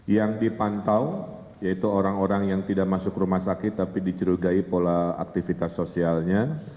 yang dipantau yaitu orang orang yang tidak masuk rumah sakit tapi dicerugai pola aktivitas sosialnya